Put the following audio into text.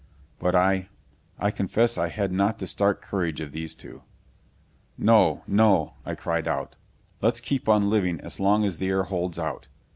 But I I confess I had not the stark courage of these two. "No! No!" I cried out. "Let's keep on living as long as the air holds out.